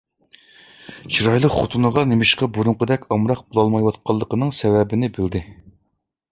چىرايلىق خوتۇنىغا نېمىشقا بۇرۇنقىدەك ئامراق بولالمايۋاتقىنىنىڭ سەۋەبىنى بىلدى.